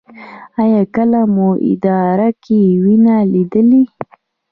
ایا کله مو ادرار کې وینه لیدلې؟